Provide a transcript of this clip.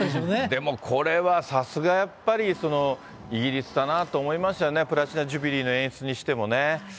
でもこれはさすがやっぱりイギリスだなと思いましたよね、プラチナ・ジュビリーの演出にしてもね。